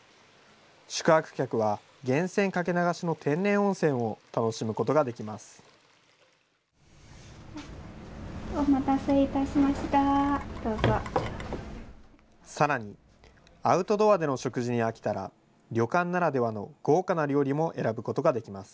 宿泊客は、源泉かけ流しの天然温泉を楽しむことができます。